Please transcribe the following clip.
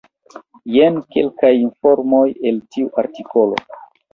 Jen kelkaj informoj el tiu artikolo.